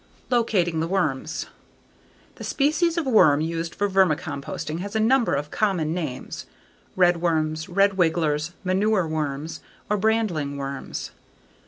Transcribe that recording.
Locating the Worms The species of worm used for vermicomposting has a number of common names: red worms, red wigglers, manure worms, or brandling worms.